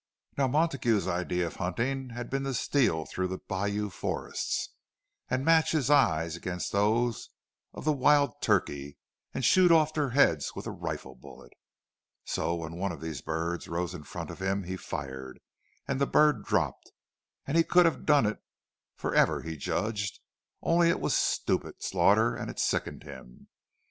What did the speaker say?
Now Montague's idea of hunting had been to steal through the bayou forests, and match his eyes against those of the wild turkey, and shoot off their heads with a rifle bullet. So, when one of these birds rose in front of him, he fired, and the bird dropped; and he could have done it for ever, he judged—only it was stupid slaughter, and it sickened him.